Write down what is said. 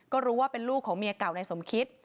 ก็รู้ว่าเป็นลูกของเมียเก่านายสมคิต